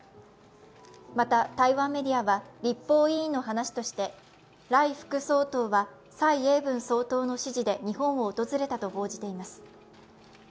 また、台湾メディアは、立法委員の話として、頼副総統は蔡英文総統の指示で日本を訪れたと報じています。